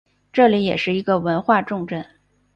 这里也是一个文化重镇。